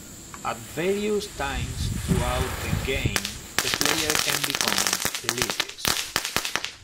At various times throughout the game the player can become delirious.